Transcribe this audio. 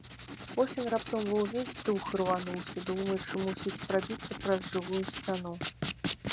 Вось ён раптам ва ўвесь дух ірвануўся, думаючы, мусіць, прабіцца праз жывую сцяну.